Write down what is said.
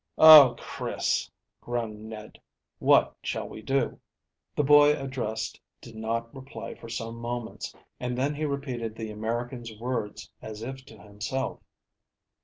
"Oh, Chris," groaned Ned, "what shall we do?" The boy addressed did not reply for some moments, and then he repeated the American's words as if to himself.